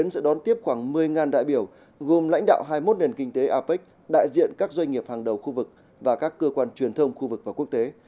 sẽ đón tiếp khoảng một mươi đại biểu gồm lãnh đạo hai mươi một nền kinh tế apec đại diện các doanh nghiệp hàng đầu khu vực và các cơ quan truyền thông khu vực và quốc tế